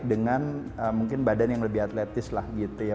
dengan mungkin badan yang lebih atletis lah gitu ya